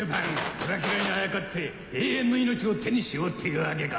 ドラキュラにあやかって永遠の命を手にしようってわけか。